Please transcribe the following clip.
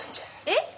えっ！？